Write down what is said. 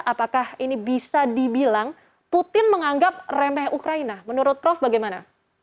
apakah ini bisa dibilang putin menganggap remeh ukraina menurut prof bagaimana